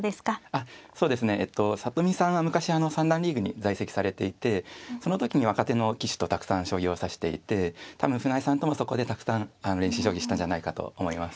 あっそうですね里見さんは昔三段リーグに在籍されていてその時に若手の棋士とたくさん将棋を指していて多分船江さんともそこでたくさん練習将棋したんじゃないかと思います。